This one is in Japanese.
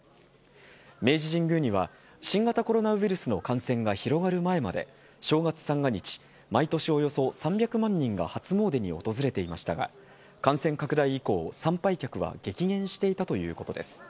明治神宮には、新型コロナウイルスの感染が広がる前まで、正月三が日、毎年およそ３００万人が初詣に訪れていましたが、感染拡大以降、参拝客は激減していたということです。